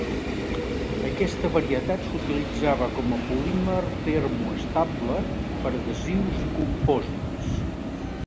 Aquesta varietat s'utilitzava com a polímer termoestable per adhesius i compòsits.